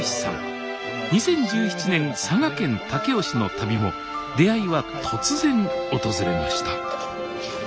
２０１７年佐賀県武雄市の旅も出会いは突然訪れました